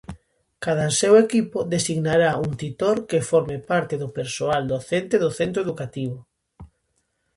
Cadanseu equipo designará un titor que forme parte do persoal docente do centro educativo.